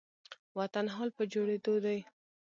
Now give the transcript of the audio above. وطن حال په جوړيدو دي